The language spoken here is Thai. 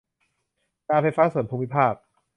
การไฟฟ้าส่วนภูมิภาค